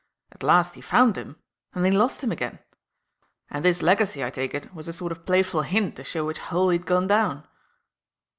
At last he found him; and then he lost him again; and this legacy, I take it, was a sort of playful hint to show which hole he'd gone down."